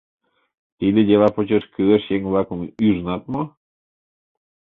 Тиде дела почеш кӱлеш еҥ-влакым ӱжынат мо?